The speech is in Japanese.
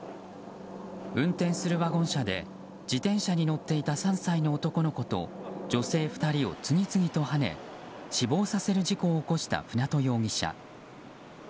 運転するワゴン車で自転車に乗っていた３歳の男の子と女性２人を次々とはね死亡させる事故を起こした舟渡容疑者。